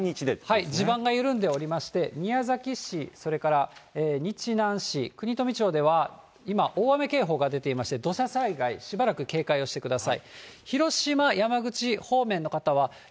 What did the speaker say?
地盤が緩んでおりまして、宮崎市、それから日南市くにとみ町では今、大雨警報が出ていまして、土砂災害しばらく警戒をしてください。